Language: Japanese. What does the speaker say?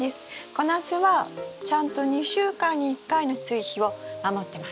小ナスはちゃんと２週間に１回の追肥を守ってます。